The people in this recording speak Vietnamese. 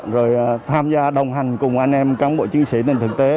rồi tham gia đồng hành cùng anh em cán bộ chiến sĩ nền thực tế